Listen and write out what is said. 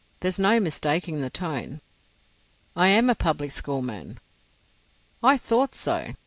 There's no mistaking the tone." "I am a public school man." "I thought so.